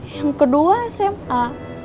yang kedua sma